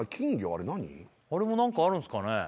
あれ何あれも何かあるんすかね？